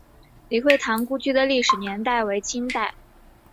李惠堂故居的历史年代为清代。